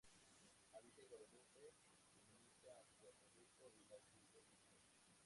Habita en Guadalupe, Dominica, Puerto Rico y las Islas Vírgenes.